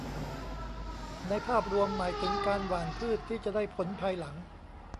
ในภาพรวมหมายถึงการหว่านพืชที่จะได้ผลภายหลัง